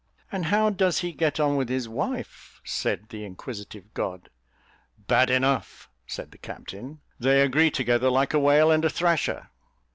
"And how does he get on with his wife?" said the inquisitive god. "Bad enough," said the captain; "they agree together like a whale and a thrasher."